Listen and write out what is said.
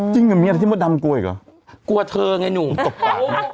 จริงอย่างเงี้ยทึกหัวดำกลัวอีกเหรอกลัวเธอไงหนูก็